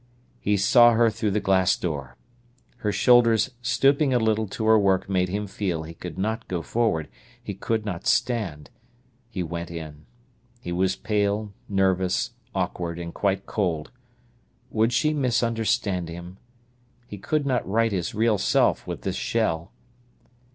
he saw her through the glass door. Her shoulders stooping a little to her work made him feel he could not go forward; he could not stand. He went in. He was pale, nervous, awkward, and quite cold. Would she misunderstand him? He could not write his real self with this shell.